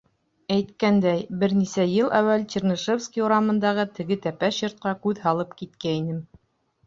Әйткәндәй, бер нисә йыл әүәл Чернышевский урамындағы теге тәпәш йортҡа күҙ һалып киткәйнем.